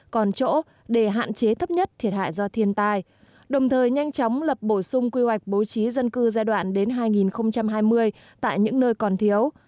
còn chỗ để hạn chế thấp nhất thiệt hại do thiên tai đồng thời nhanh chóng lập bổ sung quy hoạch bố trí dân cư giai đoạn đến hai nghìn hai mươi tại những nơi còn thiếu